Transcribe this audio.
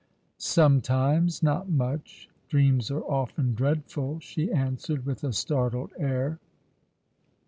"Sometimes — not much— dreams are often dreadful," s'o answered, with a startled air.